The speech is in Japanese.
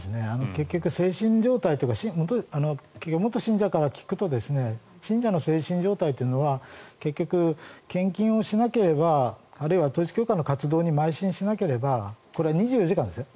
結局、精神状態というか元信者から聞くと信者の精神状態っていうのは結局、献金をしなければあるいは統一教会の活動にまい進しなければこれ、２４時間ですね。